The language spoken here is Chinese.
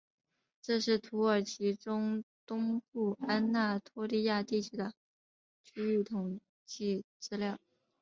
这是土耳其中东部安那托利亚地区的区域统计资料。